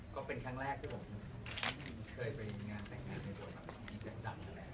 ก็เป็นครั้งแรกที่ผมเคยไปมีงานแต่งงานในบริษัทจันทร์